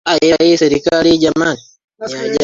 wa kumshinikiza bagbo aondoke madarakani